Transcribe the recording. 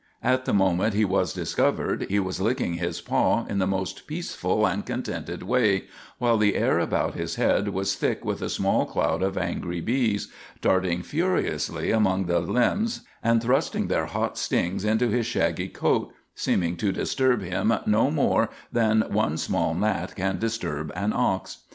At the moment he was discovered, he was licking his paw in the most peaceful and contented way, while the air about his head was thick with a small cloud of angry bees, darting furiously among the limbs and thrusting their hot stings into his shaggy coat, seeming to disturb him no more than one small gnat can disturb an ox.